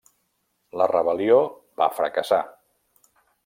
La rebel·lió va fracassar.